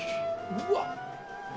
うわっ。